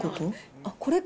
あっ、これか。